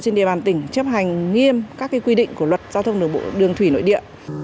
trên địa bàn tỉnh chấp hành nghiêm các quy định của luật giao thông đường thủy nội địa